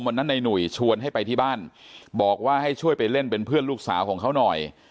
ในหนุ่ยชวนให้ไปที่บ้านบอกว่าให้ช่วยไปเล่นเป็นเพื่อนลูกสาวของเขาหน่อย